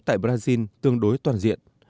tại brazil tương đối toàn diện